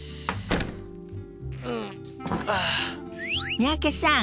三宅さん